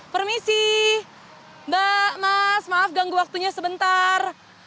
permisi mbak mas maaf ganggu waktunya sebentar